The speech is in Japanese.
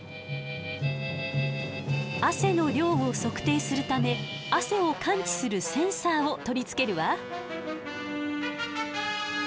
汗の量を測定するため汗を感知するセンサーを取り付けるわ。